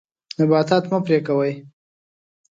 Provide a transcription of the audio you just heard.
نباتات مه پرې کوئ.